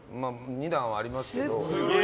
２段はありますけど。